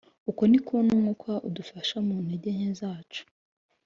Uko ni ko n Umwuka adufasha mu ntege nke zacu